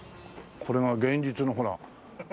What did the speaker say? これが現実のほら。